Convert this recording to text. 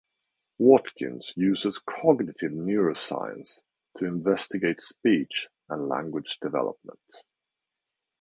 Watkins uses cognitive neuroscience to investigate speech and language development.